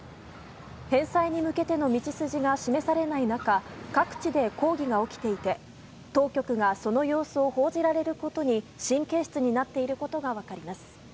返済に向けての道筋が示されない中各地で抗議が起きていて、当局がその様子を報じられることに神経質になっていることが分かります。